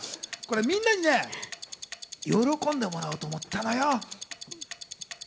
みんなに喜んでもらおうと思ったのよ。